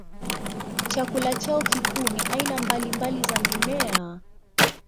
Chakula chao kikuu ni aina mbalimbali za mimea.